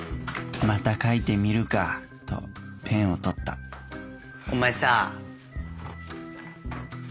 また書いてみるかとペンを取ったお前さぁ。